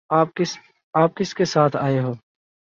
آپ کس کے ساتھ آئے ہو؟